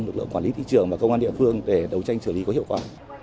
lực lượng quản lý thị trường và công an địa phương để đấu tranh xử lý có hiệu quả